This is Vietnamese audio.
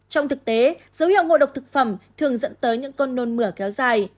trong thực tế dấu hiệu ngộ độc thực phẩm thường dẫn tới những cơn nôn mửa kéo dài